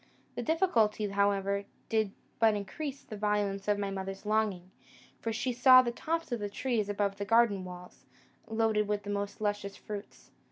The difficulty, however, did but increase the violence of my mother's longing; for she saw the tops of the trees above the garden walls, loaded with the most luscious fruits.